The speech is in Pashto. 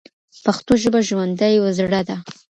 پښتو ژبه ژوندۍ او زړه ده.